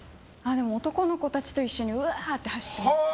男の子たちと一緒にうわーと走ってました。